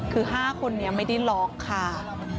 คือ๕คนนี้ไม่ได้ล็อกค่ะ